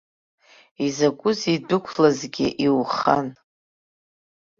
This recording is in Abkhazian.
Изакәызеи идәықәлазгьы иухан?